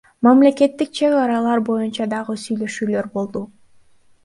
Мамлекеттик чек аралар боюнча дагы сүйлөшүүлөр болду.